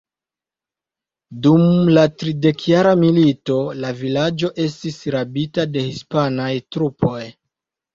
Dum la Tridekjara Milito la vilaĝo estis rabita de hispanaj trupoj.